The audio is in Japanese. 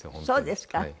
そうですか。